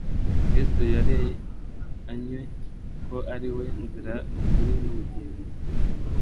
Kristo yerei<anywe ko ari we Nzira ukuri n'ubugingo.